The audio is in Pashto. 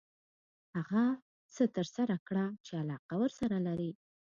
هغه څه ترسره کړه چې علاقه ورسره لري .